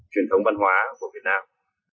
truyền thống văn hóa của việt nam